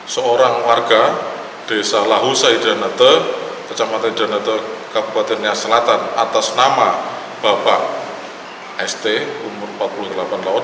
seorang warga desa lahu saidanate kecamatan donete kabupaten nia selatan atas nama bapak st umur empat puluh delapan tahun